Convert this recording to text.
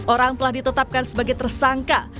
sebelas orang telah ditetapkan sebagai tersangka